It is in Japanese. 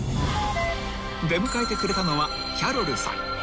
［出迎えてくれたのはキャロルさん］